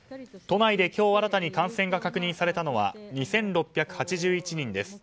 都内で今日新たに感染が確認されたのは２６８１人です。